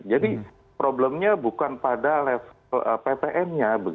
jadi problemnya bukan pada level ppn nya